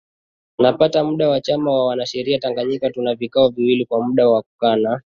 Napata muda wa chama cha wanasheria Tanganyika tuna vikao viwili muda wa kukaa na